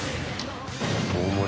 大盛り。